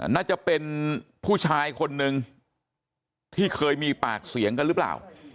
น่าจะเป็นผู้ชายคนนึงที่เคยมีปากเสียงกันหรือเปล่า